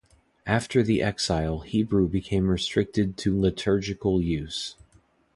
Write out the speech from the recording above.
After the exile Hebrew became restricted to liturgical use.